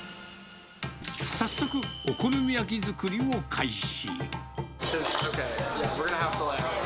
早速、お好み焼き作りを開始。